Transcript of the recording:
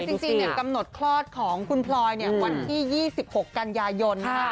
คือจริงเนี่ยกำหนดคลอดของคุณพลอยเนี่ยวันที่๒๖กันยายนค่ะ